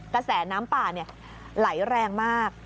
กระแสน้ำป่าไหลแรงมาก